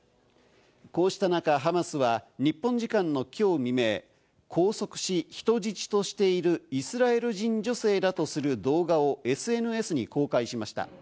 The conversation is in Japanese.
こうした中、ハマスは日本時間のきょう未明、拘束し、人質としているイスラエル人女性だとする動画をＳＮＳに公開しました。